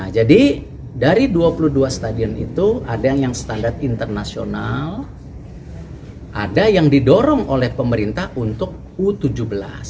jadi dari dua puluh dua stadion itu ada yang standar internasional ada yang didorong oleh pemerintah untuk u tujuh belas